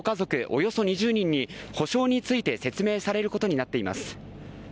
およそ２０人に補償について説明されることになっています。